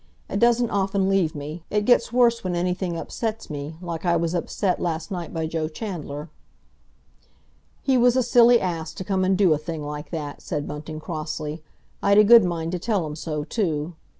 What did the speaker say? It doesn't often leave me; it gets worse when anything upsets me, like I was upset last night by Joe Chandler." "He was a silly ass to come and do a thing like that!" said Bunting crossly. "I'd a good mind to tell him so, too.